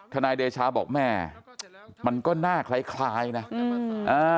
ทนายเดชาบอกแม่มันก็หน้าคล้ายนะ